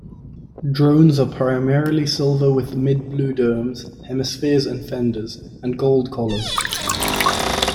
Drones are primarily silver with mid-blue domes, hemispheres and fenders, and gold collars.